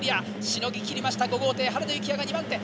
しのぎきりました５号艇原田幸哉が２番手。